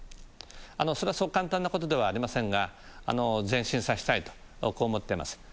それはそう簡単なことではありませんが、前進させたいと、こう思っています。